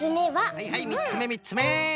はいはいみっつめみっつめ。